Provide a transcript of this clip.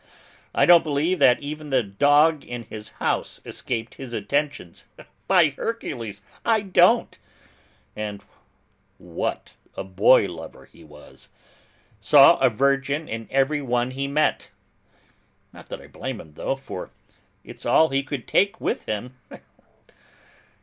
I don't believe that even the dog in his house escaped his attentions, by Hercules, I don't; and what a boy lover he was! Saw a virgin in every one he met! Not that I blame him though, for it's all he could take with him."